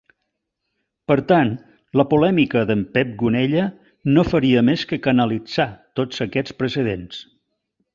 Per tant, la polèmica d'en Pep Gonella no faria més que canalitzar tots aquests precedents.